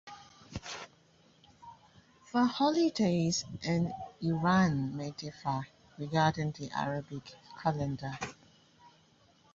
The holidays in Iran may differ regarding the Arabic Calendar.